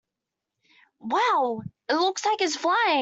Wow! It looks like it is flying!